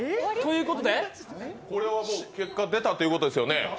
これはもう結果出たということですよね。